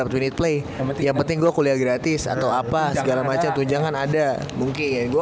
ada punya play yang penting gua kuliah gratis atau apa segala macam tujangan ada mungkin gua